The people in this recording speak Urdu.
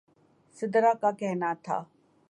سدرا کا کہنا تھا